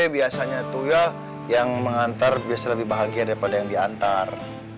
eh biasanya tuh ya yang mengantar biasa lebih bahagia daripada yang diantar